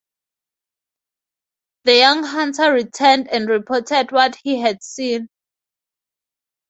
The young hunter returned and reported what he had seen.